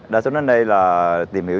đa số đến đây là tìm hiểu